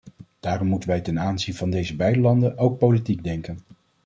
Daarom moeten wij ten aanzien van deze beide landen ook politiek denken.